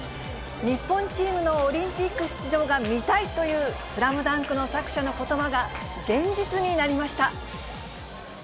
日本チームのオリンピック出場が見たいという、ＳＬＡＭＤＵＮＫの作者のことばが現実になりました。